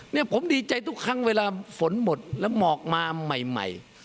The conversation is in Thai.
เนี่ยผมดีใจทุกครั้งเวลาฝนหมดแล้วหมอกมาใหม่